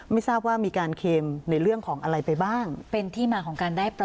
ไม่ทราบว่ามีการเคลมในเรื่องของอะไรไปบ้าง